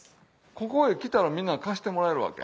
ここへ来たらみんな貸してもらえるわけ？